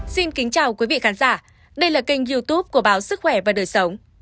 xin kính chào quý vị khán giả đây là kênh youtube của báo sức khỏe và đời sống